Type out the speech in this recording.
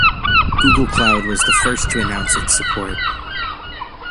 Google Cloud was the first to announce its support.